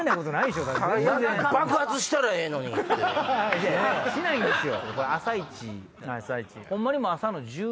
しないんですよ。